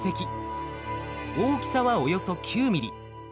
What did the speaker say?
大きさはおよそ９ｍｍ。